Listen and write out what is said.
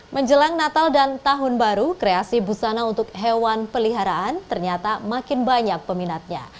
menjelang natal dan tahun baru kreasi busana untuk hewan peliharaan ternyata makin banyak peminatnya